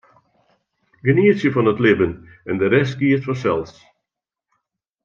Genietsje fan it libben en de rest giet fansels.